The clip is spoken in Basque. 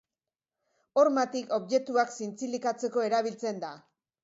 Hormatik objektuak zintzilikatzeko erabiltzen da.